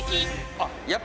あっ